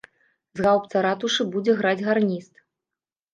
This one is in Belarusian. З гаўбца ратушы будзе граць гарніст.